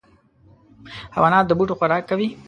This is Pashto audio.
حیوانات د بوټو خوراک کوي.